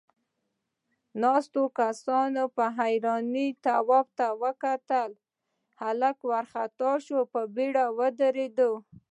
ناستو کسانوپه حيرانۍ تواب ته وکتل، هلک وارخطا شو، په بيړه ودرېد.